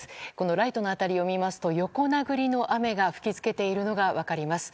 ライトの辺りを見ますと横殴りの雨が吹き付けているのが分かります。